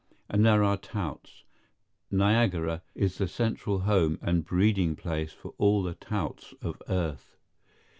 And there are Touts. Niagara is the central home and breeding place for all the touts of earth.